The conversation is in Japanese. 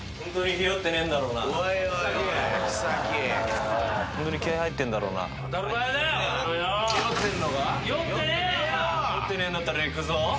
ひよってねえんだったらいくぞ。